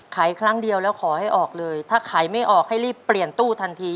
ครั้งเดียวแล้วขอให้ออกเลยถ้าขายไม่ออกให้รีบเปลี่ยนตู้ทันที